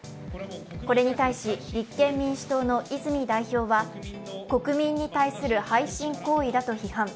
これに対し立憲民主党の泉代表は、国民に対する背信行為だと批判。